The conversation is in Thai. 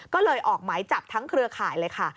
ก็เลยออกหมายจับทั้งเครือข่ายเลยค่ะ